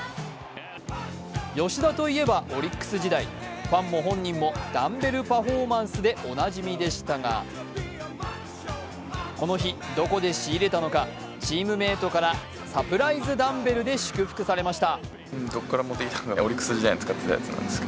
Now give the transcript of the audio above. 吉田といえばオリックス時代、ファンも本人もダンベルパフォーマンスでおなじみでしたがこの日、どこで仕入れたのか、チームメートからサプライズダンベルで祝福されました。